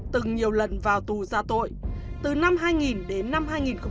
từng nhiều lần vào tù ra tội từ năm hai nghìn đến năm hai nghìn một mươi